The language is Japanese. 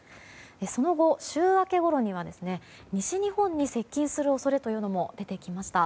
その後、週明けごろには西日本に接近する恐れというのも出てきました。